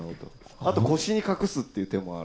あと腰に隠すっていう手もある。